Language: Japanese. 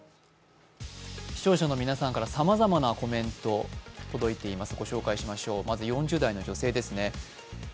視聴者の皆さんからさまざまなコメント届いています。